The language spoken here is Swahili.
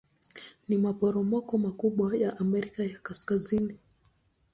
Ni maporomoko makubwa ya Amerika ya Kaskazini.